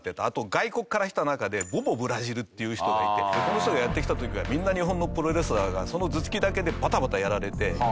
あと外国から来た中でボボ・ブラジルっていう人がいてこの人がやって来た時はみんな日本のプロレスラーがその頭突きだけでバタバタやられて。